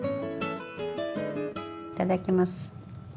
いただきます。